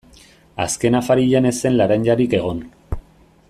Azken afarian ez zen laranjarik egon.